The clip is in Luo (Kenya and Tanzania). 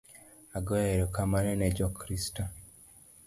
Agoyo erokamano ne jo Kristo